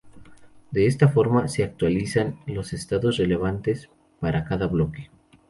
De esta forma, se actualizan los "estados relevantes" para cada bloque.